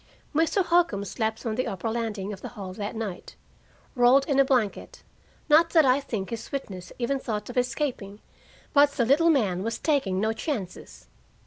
Mr. Holcombe slept on the upper landing of the hall that night, rolled in a blanket not that I think his witness even thought of escaping, but the little man was taking no chances.